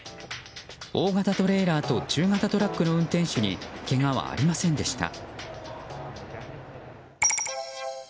大型トレーラーと中型トラックの運転手にけがはありませんでした。